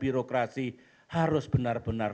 birokrasi harus benar benar